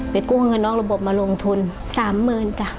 ไปกลัวเงินออกระบบมาลงทุน๓๐๐๐๐บาทจ้ะ